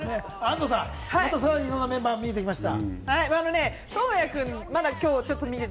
安藤さん、いろんなメンバーが見えてきました。